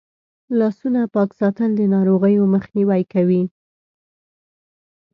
لاسونه پاک ساتل د ناروغیو مخنیوی کوي.